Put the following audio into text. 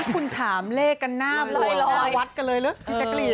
คุณถามเลขกันหน้าลอยวัดกันเลยล่ะพี่แจ๊กกลีน